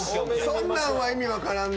そんなんは意味分からん。